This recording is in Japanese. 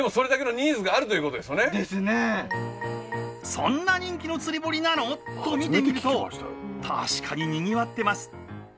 そんな人気の釣り堀なの？と見てみると確かににぎわってます。